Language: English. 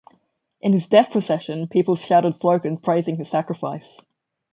In his death procession, people shouted slogans praising his sacrifice.